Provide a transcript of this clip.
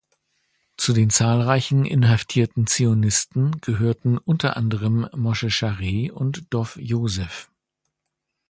Zu den zahlreichen inhaftierten Zionisten gehörten unter anderem Mosche Scharet und Dov Yosef.